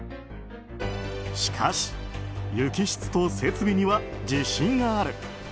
しかし、雪質と設備には自信がある。